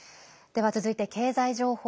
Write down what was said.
では、続いて経済情報。